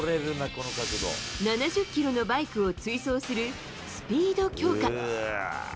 ７０キロのバイクを追走するスピード強化。